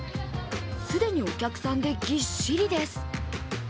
既にお客さんでぎっしりです。